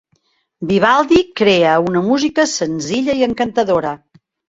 Vivaldi crea una música senzilla i encantadora.